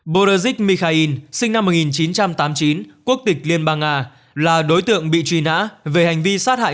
borazik mikhail sinh năm một nghìn chín trăm tám mươi chín quốc tịch liên bang nga là đối tượng bị truy nã về hành vi sát hại